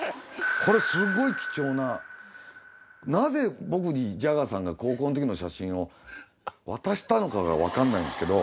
これすごい貴重ななぜ僕にジャガーさんが高校の時の写真を渡したのかが分かんないんですけど。